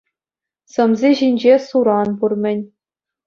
Сӑмси ҫинче суран пур-мӗн.